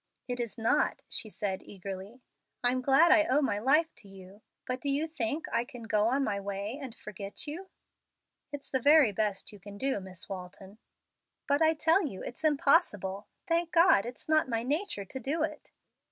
"It is not," she said, eagerly. "I'm glad to owe my life to you. But do you think I can go on my way and forget you?" "It's the very best you can do, Miss Walton." "But I tell you it's impossible. Thank God, it's not my nature to do it!"